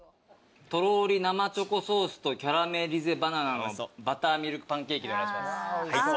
とろり生チョコソースとキャラメリゼバナナのバターミルクパンケーキでお願いします。